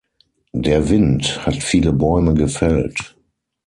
Der Wind hat viele Bäume gefällt.